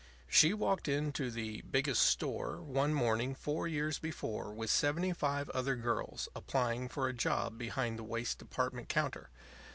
She walked into the Biggest Store one morning four years before with seventy five other girls, applying for a job behind the waist department counter.